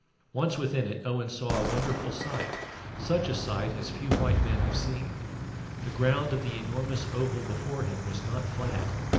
Once within it, Owen saw a wonderful sight, such a sight as few white men have seen. The ground of the enormous oval before him was not flat.